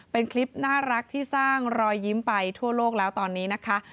เป็นคลิปน่ารักที่สร้างรอยยิ้มไปทั่วโลกแล้วตอนนี้นะคะ